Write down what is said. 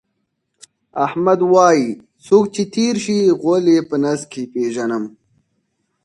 احمد وایي: څوک چې تېر شي، غول یې په نس کې پېژنم.